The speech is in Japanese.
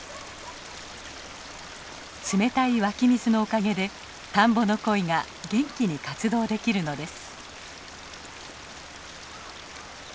冷たい湧き水のおかげで田んぼのコイが元気に活動できるのです。